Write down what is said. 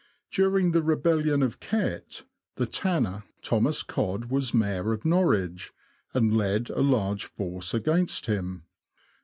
During the rebelHon of Kett, the tanner, Thomas Codd was mayor of Norwich, and led a large force against him.